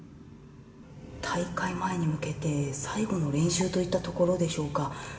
大会前に向けて、最後の練習といったところでしょうか。